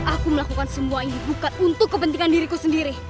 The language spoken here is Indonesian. aku melakukan semua ini bukan untuk kepentingan diriku sendiri